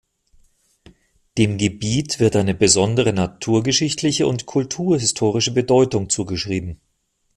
Dem Gebiet wird besondere naturgeschichtliche und kulturhistorische Bedeutung zugeschrieben.